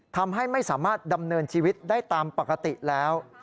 ทำให้ไม่สามารถดำเนินชีวิตได้ตามปกติแล้ว